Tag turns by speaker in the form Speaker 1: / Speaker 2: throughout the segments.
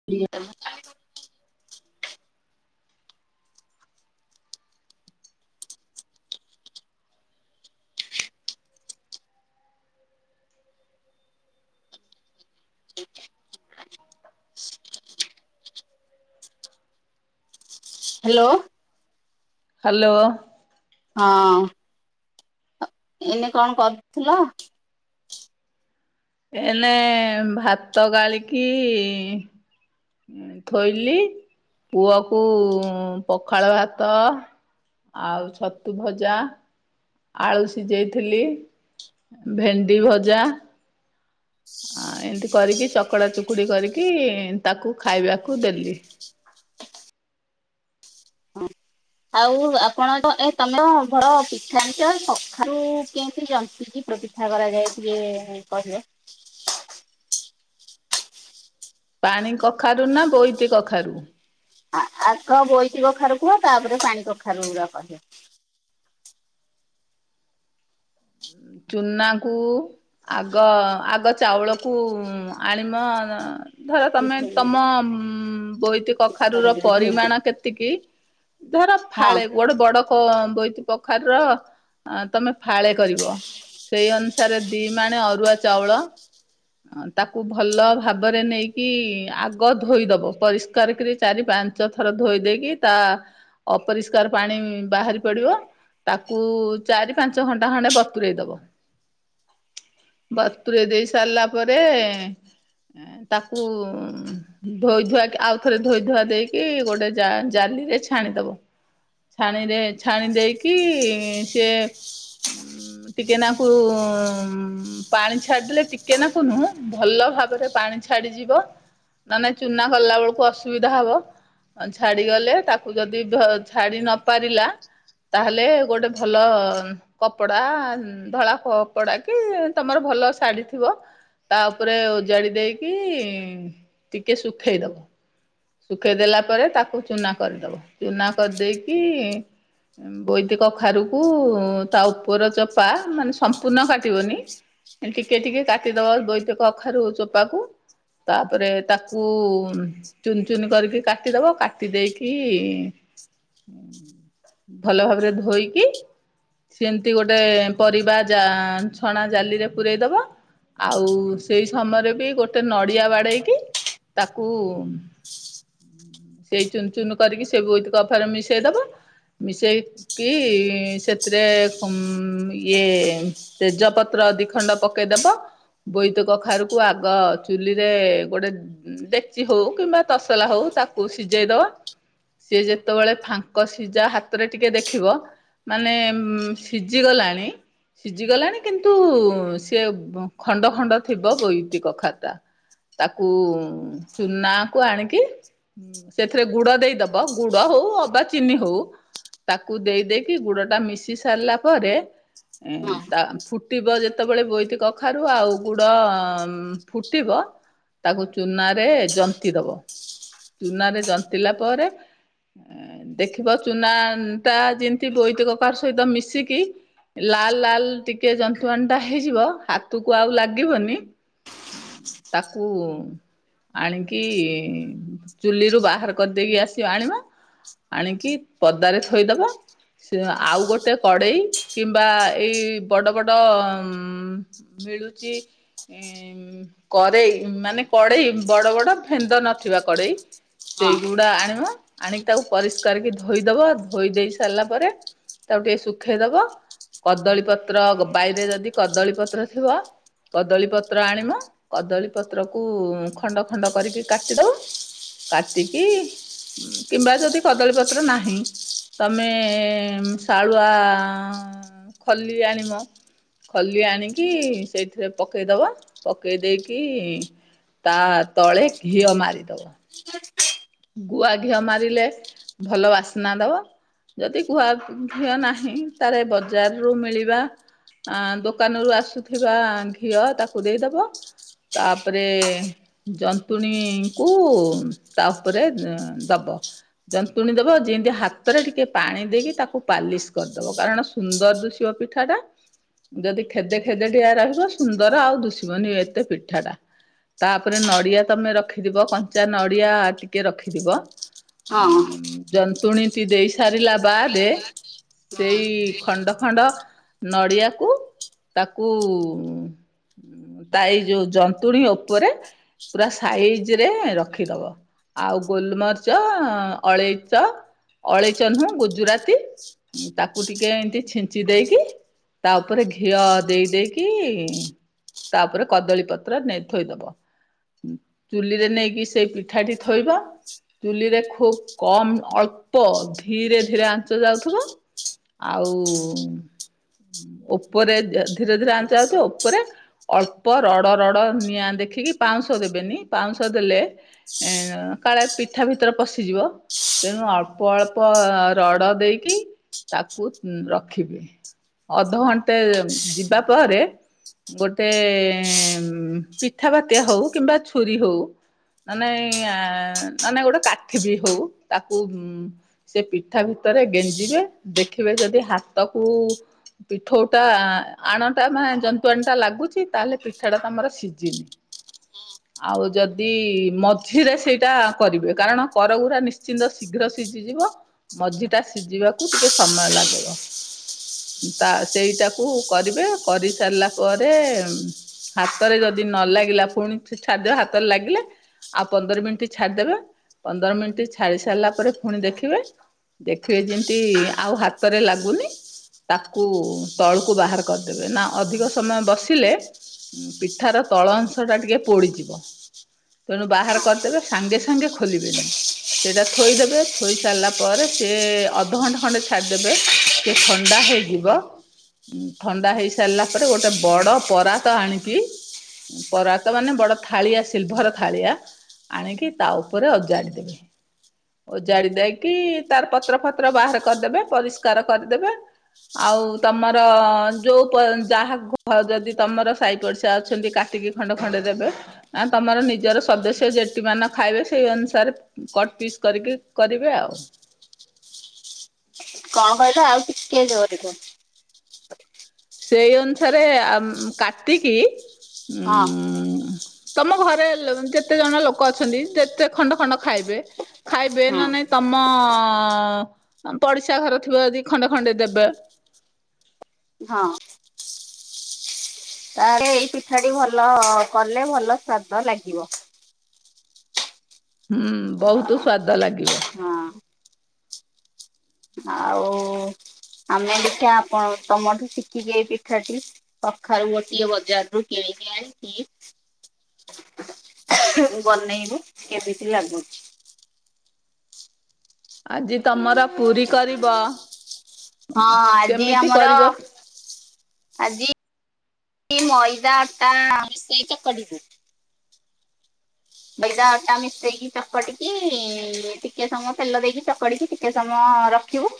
Speaker 1: [unintelligible] Hello.
Speaker 2: Hello.
Speaker 1: ହଁ। ଏନେ କଣ କରୁଥିଲ?
Speaker 2: ଏନେ ଭାତ ଗାଳିକି ଥୋଇଲି ପୁଅ କୁ ପଖାଳ ଭାତ ଆଉ ଛତୁ ଭଜା ଆଳୁ ସିଯେଇଥିଲି ଭେଣ୍ଡି ଭଜା। ଆ ଏମତି କରିକି ଚକଡ଼ା ଚୁକୁଡି କରିକି ତାକୁ ଖାଇବାକୁ ଦେଲି।
Speaker 1: ଆଉ ଆପଣ ତ ଏ ତମେ ଘର ପିଠା ଯାମିଛ କଖାରୁ କେମିତି ଜନ୍ତିକି ପିଠା ପିଠା କରାଯାଏ ଟିକେ କହିବ।
Speaker 2: ପାଣି କଖାରୁ ନା ବୋଇତି କଖାରୁ?
Speaker 1: ଆଗ ବୋଇତି କଖାରୁ କୁହ ତାପରେ ପାଣି କଖାରୁ ଗୁରା କହିବ।
Speaker 2: ଚୁନା କୁ ଆଗ ଆଗ ଚାଉଳକୁ ଆଣିିବ ଧର ତମେ ତମ ଉ ବୋଇତି କଖାରୁ ର ପରିମାଣ କେତିକି। ଧର ଫାଳେ
Speaker 1: ହଁ
Speaker 2: ଗୋଟେ ବଡ ବୋଇତିକଖାରୁର ତମେ ଫାଳେ କରିବ। ସେଇ ଅନୁସାରେ ଦି ମାଣେ ଅରୁଆ ଚାଉଳ। ତାକୁ ଭଲ ଭାବରେ ନେଇକି ଆଗ ଧୋଇଦବ ପରିଷ୍କାର କରି ଚାରି ପାଞ୍ଚ ପଞ୍ଚ ଥର ଧୋଇ ଦେଇକି ତା ଅପରିଷ୍କାର ପାଣି ବାହାରି ପଡିବ ତାକୁ ଚାରି ପାଞ୍ଚ ଘଣ୍ଟା ଖଣ୍ଡେ ବ [unintelligible] ଦବ ବତୁରେଇ ଦେଇସାରିଲା ପରେ ତାକୁ ଧୋଇ ଧୁଆ କି ଆଉଥରେ ଧୋଇ ଧୁଆ ଦେଇକି ଗୋଟେ ଜା ଜାଲି ରେ ଛାଣିଦବ। ଛାଣି ରେ ଛାଣିଦେଇକି ସିଏ ଟିକେନା କୁ ଉଁ ପାଣି ଛାଡ଼ିଦେଲେ ଟିକେ ନାକୁ ନୁହୁଁ ଭଲ ଭାବରେ ପାଣି ଛାଡ଼ିଯିବ। ନହେଲେ ନାଇଁ ଚୁନା କଲା ବେଳକୁ ଅସୁବିଧା ହବ। ଛାଡି଼ଗଲେ ତାକୁ ଯଦି ଧ ଛାଡ଼ି ନ ପାରିଲା ତାହେଲେ ଗୋଟେ ଭଲ କପଡ଼ା ଧଳା କପଡ଼ା କି ତମର ଭଲ ଶାଢ଼ୀ ଥିବ। ତା ଉପରେ ଓଜାଡି଼ ଦେଇକି ଟିକେ ଶୁଖେଇ ଦବ। ଶୁଖେଇ ଦେଲା ପରେ ତାକୁ ଚୁନା କରିଦବ ଚୁନା କରିଦେଇକି ବୋଇତି କଖାରୁ କୁ ତା ଉପର ଚୋପା ମାନେ ସମ୍ପୂର୍ଣ୍ଣ କାଟିବନି। ଟିକେ ଟିକେ କାଟିଦବ ବୋଇତି କଖାରୁ ଚୋପା କୁ। ତାପରେ ତାକୁ ଚୁନ୍ ଚୁନ୍ କରିକି କାଟିଦବ କାଟି ଦେଇକି ଭଲ ଭାବରେ ଧୋଇକି ସେ ଏମିତି ଗୋଟେ ପରିବା ଜା ଛଣା ଜାଲିରେ ପୂରେଇ ଦବ। ଆଉ ସେଇ ସମୟରେ ବି ଗୋଟେ ନଡ଼ିଆ ବାଡ଼େଇକି ତାକୁ ସେଇ ଚୁନ୍ ଚୁନ୍ କରିକି ସେ ବୋଇତି କଖାରୁ ମିଶେଇ ଦବ। ମିଶେଇକି ସେଥିରେ ଉଁ ଇଏ ତେଜପତ୍ର ଦି ଖଣ୍ଡ ପକେଇଦବ। ବୋଇତି କଖାରୁ କୁ ଆଗ ଚୁଲିରେ ଗୋଟେ ଡେକ୍ଚି ହଉ କିମ୍ବା ତସଲା ହଉ ତାକୁ ସିଝାଇଦବା। ସିଏ ଯେତେବେଳେ ଫାଙ୍କ ସିଝା ହାତରେ ଟିକେ ଦେଖିବ ମାନେ ସିଝିଗଲାଣି ସିଝିଗଲାଣି କିନ୍ତୁ ସେ ଖଣ୍ଡ ଖଣ୍ଡ ଥିବ ବୋଇତି କଖାରୁ ଟା। ତାକୁ ଚୁନା କୁ ଆଣିକି ହୁଁ ସେଥିରେ ଗୁଡ଼ ଦେଇଦବ ଗୁଡ଼ ହଉ ଅବା ଚିନି ହଉ। ତାକୁ ଦେଇ ଦେଇକି ଗୁଡ଼ ଟା ମିଶି ସାରିଲା ପରେ ଉଁ
Speaker 1: ହଁ
Speaker 2: ତା ଫୁଟିବ ଯେତେବେଳେ ବୋଇତି କଖାରୁ ଆଉ ଗୁଡ଼ ଫୁଟିବ ତାକୁ ଚୁନାରେ ଜନ୍ତିଦବ। ଚୁନା ରେ ଜନ୍ତିଲା ପରେ ହୁଁ ଦେଖିବ ଚୁନା ଟା ଯେମିତି ବୋଇତି କଖାରୁ ସହିତ ମିଶିକି ଲାଲ୍ ଲାଲ୍ ଟିକେ ଜନ୍ତୁଆଣି ଟା ହେଇଯିବ ହାତକୁ ଆଉ ଲାଗିବନି। ତାକୁ ଆଣିକି ଚୁଲିରୁୁ ବାହାର କରିଦେଇକି ଆସିବ ଆଣିବ ଆଣିକି ପଦାରେ ଥୋଇଦବ। ସେ ଆଉ ଗୋଟେ କଡ଼େଇ କିମ୍ବା ଏଇ ବଡ଼ ବଡ଼ ଉଁ ମିଳୁଚି କରେଇ ମାନେ କଡ଼େଇ ବଡ଼ ବଡ଼ ଫେନ୍ଦ ନଥିବା କଡ଼େଇ। ସେଇଗୁଡା଼ ଆଣିବ ଆଣିକି ତାକୁ ପରିଷ୍କାର କି ଧୋଇଦବ ଧୋଇ ଦେଇ ସାରିଲା ପରେ ତାକୁ ଟିକେ ଶୁଖେଇ ଦବ କଦଳୀ ପତ୍ର ବାଇରେ ଯଦି କଦଳୀ ପତ୍ର ଥିବ। କଦଳୀ ପତ୍ର ଆଣିବ କଦଳୀ ପତ୍ରକୁ ଖଣ୍ଡ ଖଣ୍ଡ କରିକି କାଟିଦବ। କାଟିକି କିମ୍ବା ଯଦି କଦଳୀ ପତ୍ର ନାହିଁ। ତମେ ଶାଳୁଆ ଖଲି ଆଣିବ। ଖଲି ଆଣିକି ସେଇଥିରେ ପକେଇଦବ ପକେଇଦେଇକି ତା ତଳେ ଘିଅ ମାରିଦବ। ଗୁଆ ଘିଅ ମାରିଲେ ଭଲ ବାସ୍ନା ଦବ। ଯଦି ଗୁଆ ଘିଅ ନାହିଁ ତାହେଲେ ବଜାର ରୁ ମିଳିବା ଆ ଦୋକାନରୁୁ ଆସୁଥିବା ଘିଅ ତାକୁ ଦେଇଦବ। ତାପରେ ଜନ୍ତୁଣୀଙ୍କୁ- ଉପରେ ଦବ। ଯନ୍ତୁଣୀ ଦେବ ଯେମିତି ହାତରେ ଟିକେ ପାଣି ଦେଇକି ତାକୁ ପାଲିସ୍ କରିଦେବ। କାରଣ- ସୁନ୍ଦର ଦିଶିବ ପିଠା ଟା। ଯଦି ଖେଦେ ଖେଦେ ଟଟିଆ ରହିବ, ସୁନ୍ଦର ଆଉ ଦୁଷିବନି ଏତେ ପିଠା ଟା। ତାପରେ ନଡିଆ ତମେ ରଖିଦିବ କଞ୍ଚା ନଡିଆ ଟିକେ ରଖିଦିବ।
Speaker 1: ହଁ।
Speaker 2: ଜନ୍ତୁଣୀଟି ଦେଇ ସାରିଲା ବାଦେ - ସେଇ ଖଣ୍ଡ ଖଣ୍ଡ ନଡିଆକୁ- ତାକୁ- ତା ଏଇ ଯୋଉ ଜନ୍ତୁଣୀ ଉପରେ ପୁରା ସାଇଜ ରେ ରଖିଦବ। ଆଉ ଗୋଲମରିଚ, ଅଳେଇଚ ଅଳେଇଚ ନୁହଁ ଗୁଜୁରାତି, ତାକୁ ଟିକେ ଏମତି ଛିଞ୍ଚି ଦେଇକି, ତା ଉପରେ ଘିଅ ଦେଇ ଦେଇେଇକି, ତାପରେ କଦଳୀ ପତ୍ର ନେଇ ଥୋଇଦବ। ଚୁଲିରେ ନେଇକି ସେଇ ପିଠାଟି- ଥୋଇବା। ଚୁଲିରେ ଖୁବ କମ ଅଳ୍ପ ଧୀରେ ଧୀରେ ଆଞ୍ଚ ଯାଉଥିବ। ଆଉ ଉପରେ ଧୀରେ ଧୀରେ ଆଣି ଯାଉଛି। ଉପରେ- ଅଳ୍ପ ରଡ଼ ରଡ଼ ନିଆଁ ଦେଖିକି ପାଉଁଶ ଦେବେନି ପାଉଁଶ ଦେଲେ- ଏ କାଳେ ପିଠା ଭିତରେ ପଶିଯିବ। ତେଣୁ ଅଳ୍ପ ଅଳ୍ପ ରଡ ଦେଇକି ତାକୁ ରଖିବି। ଅଧଘଣ୍ଟେ ଯିବା ପରେ, ଗୋଟେ ପିଠା ବାତ୍ୟା ହଉ, କିମ୍ବା ଛୁରୀ ହଉ, ମାନେ ମାନେ ଗୋଟେ କାଠି ବି ହଉ ତାକୁ ସେ ପିଠା ଭିତରେ ଗେଞ୍ଜିବେ ଦେଖିବେ ଯଦି ହାତକୁ- ପିଠୋଟା ଆଣଟା ମାନେ ଜନ୍ତୁ ଆଣିୀ ଟା ଲାଗୁଛି ତାହେଲେ ପିଠା ଟା ତମର ସିଝିନି।
Speaker 1: ହ [inaudible]
Speaker 2: ଆଉ ଯଦି, ମଝିରେ ସେଇଟା କରିବେ କାରଣ କରଗୁରା ନିଶ୍ଚିନ୍ତ ଶୀଘ୍ର ସିଝିଯିବ। ମଝି ଟା ସିଝିବାକୁ ଟିକେ ସମୟ ଲାଗିବ। ତା ସେଇଟାକୁ କରିବେ, କରିସାରିଲା ପରେ ହାତରେ ଯଦି ନ ଲାଗିଲା ପୁଣି ଖାଦ୍ୟ ହାତରେ ଲାଗିଲା, ଆଉ ପନ୍ଦର ମିନିଟ୍ ଛାଡିଦବେ, ପନ୍ଦର ମିନିଟ୍ ଛାଡି ସାରିଲା ପରେ ପୁଣି ଦେଖିବେ, ଦେଖିବେ ଯେମିତି ଆଉ ହାତରେ ଲାଗୁନି, ତାକୁ ତଳକୁ ବାହାର କରିଦେବେ ନା ଅଧିକ ସମୟ ବସିଲେ ଉ ପିଠାର ତଳ ଅଂଶ ଟା ଟିକେ ପୋଡିଯିବ। ତେଣୁ ବାହାର
Speaker 1: ହଁ।
Speaker 2: କରିଦେବେ ସାଙ୍ଗେ ସାଙ୍ଗେ ଖୋଲିବେନି। ସେଇଟା ଥୋଇଦେବେ ଥୋଇ ସାରିଲା ପରେ ସେ ଅଧଘଣ୍ଟା ଖଣ୍ଡେ ଛାଡ଼ିଦେବେ, ସେ ଥଣ୍ଡା ହେଇଯିବ ଥଣ୍ଡା ହେଇସାରିଲା ପରେ ଗୋଟେ ବଡ଼ ପରାତ ଆଣିକି ପରାତ ମାନେ ବଡ ଥାଳିଆ ସିଲଭର ଖାଳିଆ ଆଣିକି ତା ଉପରେ ଅଜାଣିଦେବେ। ଓ ଜାଡି ଦେଇକି ତାର ପତ୍ର ଫତ୍ର ବାହାର କରିଦେବେ ପରିଷ୍କାର କରିଦେବେ। ଆଉ ତମର ଯୋଉ ପ ଯାହା ଯଦି ତମର ସାହି ପଡିଶା ଅଛନ୍ତି କାଟିକି ଖଣ୍ଡ ଖଣ୍ଡେ ଦେବେ, ନା ତମର ନି ନିଜର ସଦସ୍ୟ ଯେଠି ମାନେ ଖାଇବେ ସେଇ ଅନୁସାରେ କଟ୍ ପିସ୍ କରିକି କରିବେ ଆଉ।
Speaker 1: କଣ କହିଲ ଆଉ ଟିକେ ଜୋରେ କୁହ?
Speaker 2: ସେଇ ଅନୁସାରେ ଅମ କାଟିକି
Speaker 1: ହଁ
Speaker 2: ଉମ ତମ ଘରେ ଯେତେ ଜଣ ଲୋକ ଅଛନ୍ତି ଯେତେ ଖଣ୍ଡ ଖଣ୍ଡ ଖାଇବେ, ଖାଇବେ
Speaker 1: ହଁ।
Speaker 2: ନା ନାଇଁ ତମ ପଡିଶା ଘର ଥିବ ଯଦି ଖଣ୍ଡେ ଖଣ୍ଡେ ଦେବେ
Speaker 1: ହଁ। ତାହେଲେ ଏଇ ପିଠାଟି ଭଲ କଲେ ଭଲ ସ୍ଵାଦ ଲାଗିବ।
Speaker 2: ହୁଁ ବହୁତୁ ସ୍ଵାଦ ଲାଗିବ।
Speaker 1: ହଁ। ଆଉ ଆମେ ଦେଖିଆ ଆପଣ ତମଠୁ ଶିଖିକି ଏ ପିଠାଟି କଖାରୁ ଗୋଟିଏ ବଜାରରୁୁ କିଣିକି ଆଣିକି ବନେଇବୁ କେମିତି ଲାଗୁଛି।
Speaker 2: ଆଜି ତମର ପୁରୀ କରିବ?
Speaker 1: ହଁ ଆଜି
Speaker 2: କେମିତି
Speaker 1: ଆମର
Speaker 2: କରିବ
Speaker 1: ଆଜି ମଇଦା, ଅଟା ମିଶେଇକି କରିିବୁ। ମଇଦା, ଅଟା ମିଶେଇକି ଚକଟିକି ଟିକେ ସମୟ ତେଲ ଦେଇକି ଚକଟିକି ଟିକେ ସମୟ ରଖ ରଖିବୁ,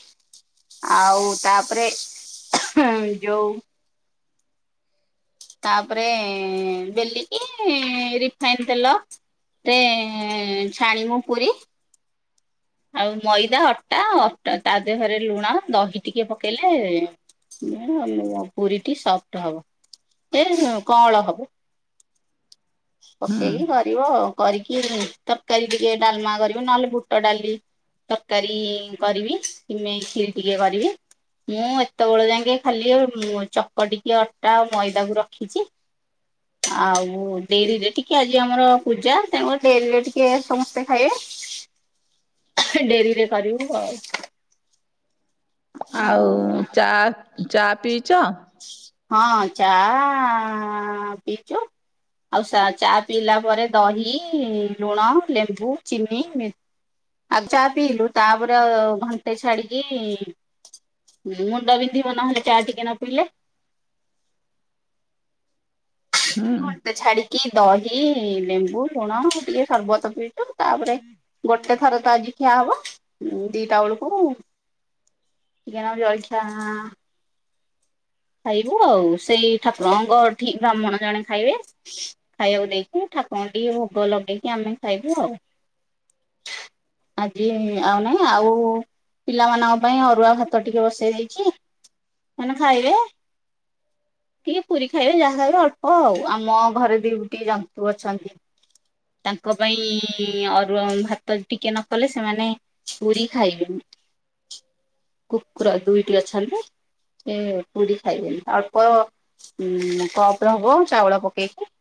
Speaker 1: ଆଉ ତାପରେ ଯୋଉ ତାପରେ ବେଲିକି ରିଫାଇନ ତେଲ ରେ ଛାଣିବୁ ପୁରୀ ଆଉ ମଇଦା, ଅଟା, ଅଟା ତା ଦେହରେ ଲୁଣ, ଦହି ଟିକେ ପକେଇଲେ ପୁରୀଟି ସଫ୍ଟ ହବ। ଏ କଅଁଳ ହବ।
Speaker 2: ହୁଁ
Speaker 1: ପକେଇକି କରିବ, କରିକି ତରକାରୀ ଟିକେ ଡାଲମା କରିବ ନହେଲେ ବୁଟ ଡାଲି ତରକାରୀ କରିବି, ସିମେଇ କ୍ଷୀରି ଟିକେ କରିବି ମୁଁ ଏତେବେଳେ ଯାଁକେ ଖାଲି ଚକ ଟିକି ଅଟା ଆଉ ମଇଦାକୁ ରଖିଛି ଆଉ ଡେରିରେ ଟିକେ ଆଜି ଆମର ପୂଜା ତେଣୁକରି ଡେରିରେ ଟିକେ ସମସ୍ତେ ଖାଇବେ ଡେରିରେ କରିବୁ ଆଉ।
Speaker 2: ଆଉ ଚା, ଚା ପିଇଚ?
Speaker 1: ହଁ ଚା ପିଇଛୁ। ଆଉ ସା ଚା ପିଇଲା ପରେ ଦହି, ଲୁଣ, ଲେମ୍ବୁ, ଚିନି ମି ଆଉ ଚା ପିଇଲୁ ତାପରେ ଘଣ୍ଟେ ଛାଡିକି ହୁଁ ମୁଣ୍ଡ ବିନ୍ଧିବ ନହେଲେ ଚା ଟିକେ ନ ପିଇଲେ
Speaker 2: ହୁଁ।
Speaker 1: କେ ଛାଡିକି ଦହି ଲେମ୍ବୁ ଲୁଣ ଟିକେ ସର୍ବତ ପିଇତୁ, ତାପରେ- ଗୋଟେ ଥର ତ ଆଜି ଖିଆହବ ଦିଟା ବେଳକୁ ଟିକିଏ ନାକୁ ଜଳିଖିଆ ଆଁ ଖାଇବୁ ଆଉ, ସେଇ ଠାକୁରଙ୍କ ଠି ବ୍ରାହ୍ମଣ ଜଣେ ଖାଇବେ ଖାଇଆକୁ ଦେଇକି ଠାକୁରଙ୍କୁ ଟିକେ ଭୋଗ ଲଗେଇକି ଆମେ ଖାଇବୁ ଆଉ। ଆଜି ଆଉ ନାଇଁ। ଆଉ ପିଲାମାନଙ୍କ ପାଇଁ ଅରୁଆ ଭାତ ଟିକେ ବସେଇ ଦେଇଛି, ସେମାନେ ଖାଇବେ ଟିକେ ପୁରୀ ଖାଇବେ ଯାହା ବି ଅଳ୍ପ ଆଉ ଆମ ଘରେ ଦିଉ ଟି ଜନ୍ତୁ ଅଛନ୍ତି। ତାଙ୍କ ପାଇଁ ଅରୁଆ ଭାତ ଟିକେ ନ କଲେ, ସେମାନେ- ପୁରୀ ଖାଇବେନି କୁକୁର ଦୁଇଟି ଅଛନ୍ତି। ଏ- ପୁରୀ ଖାଇବେନି ଅଳ୍ପ ଉ କପ ର ହୁଅ ଚାଉଳ ପକେଇକି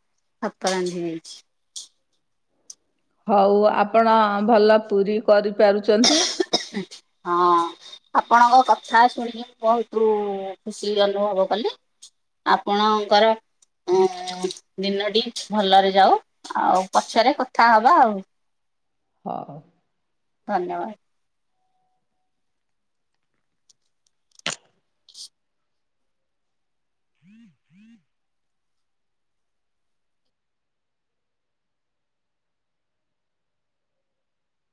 Speaker 1: ଭାତ ରାନ୍ଧି ଦେଇଛି।
Speaker 2: ହଉ ଆପଣ ଭଲ ପୁରୀ କରିପାରୁଛନ୍ତି।
Speaker 1: ହଁ। ଆପଣଙ୍କ କଥା ଶୁଣିକି ମୁ ବହୁତୁ ଖୁସି ଅନୁଭବ କଲି ଆପଣ ଙ୍କର ଦିନଟି ଭଲରେ ଯାଉ, ଆଉ ପଛରେ କଥା ହବା ଆଉ।
Speaker 2: ହଉ।
Speaker 1: ଧନ୍ୟବାଦ୍।